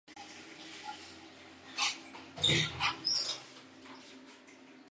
济宁路浸信会教堂旧址现为凯越国际青年旅馆。